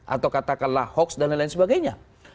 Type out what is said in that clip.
atau katakanlah hoax dan lain lain sebagainya